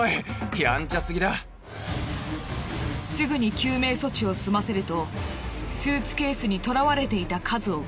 すぐに救命措置を済ませるとスーツケースに捕らわれていた数を確認。